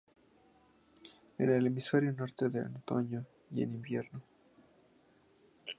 En el hemisferio norte en Otoño y en Invierno.